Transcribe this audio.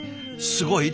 すごい！